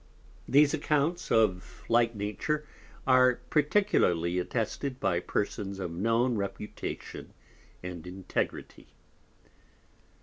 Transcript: _ These Accounts of like Nature are particularly attested by Persons of known Reputation and Integrity.